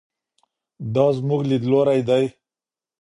دا زموږ لیدلوری دی.